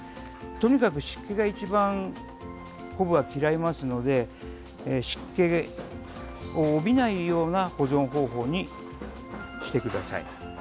とにかく湿気が一番昆布は嫌いますので湿気を帯びないような保存方法にしてください。